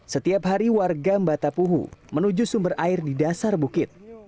setiap hari warga mbatapuhu menuju sumber air di dasar bukit